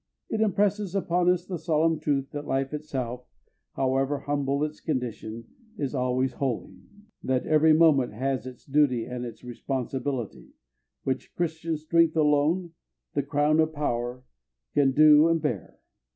It impresses upon us the solemn truth that life itself, however humble its condition, is always holy; that every moment has its duty and its responsibility, which Christian strength alone, the crown of power, can do and bear.